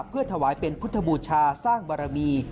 เพื่อถวายเป็นพุทธบูชาสร้างบารมี